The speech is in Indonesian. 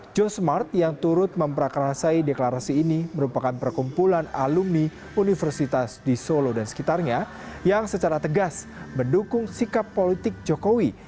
joe smart yang turut memperakrasai deklarasi ini merupakan perkumpulan alumni universitas di solo dan sekitarnya yang secara tegas mendukung sikap politik jokowi